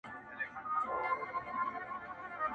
نن به یاد سي په لنډیو کي نومونه!.